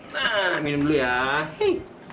nah minum dulu ya hei